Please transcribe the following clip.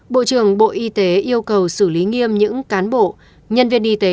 bộ trưởng bộ y tế yêu cầu xử lý nghiêm những cán bộ nhân viên y tế